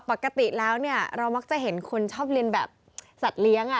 ปกติแล้วเนี่ยเรามักจะเห็นคนชอบเรียนแบบสัตว์เลี้ยง